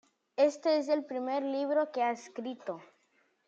Este es el primer libro que ha escrito.